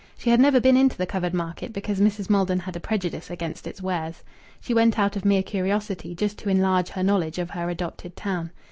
She had never been into the covered market because Mrs. Maldon had a prejudice against its wares. She went out of mere curiosity, just to enlarge her knowledge of her adopted town.